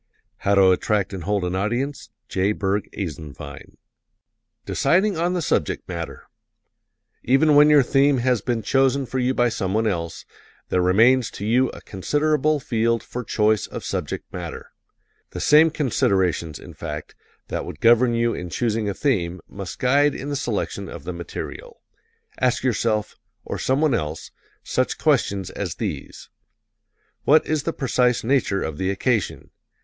" Deciding on the Subject Matter Even when your theme has been chosen for you by someone else, there remains to you a considerable field for choice of subject matter. The same considerations, in fact, that would govern you in choosing a theme must guide in the selection of the material. Ask yourself or someone else such questions as these: What is the precise nature of the occasion?